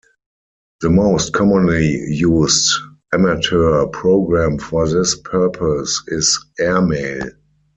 The most commonly used Amateur program for this purpose is "Airmail".